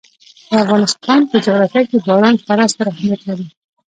د افغانستان په جغرافیه کې باران خورا ستر اهمیت لري.